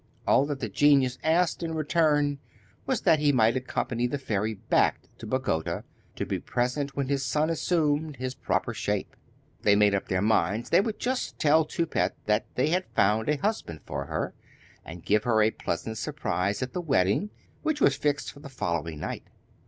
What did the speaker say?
All that the genius asked in return was that he might accompany the fairy back to Bagota, and be present when his son assumed his proper shape. They made up their minds they would just tell Toupette that they had found a husband for her, and give her a pleasant surprise at her wedding, which was fixed for the following night.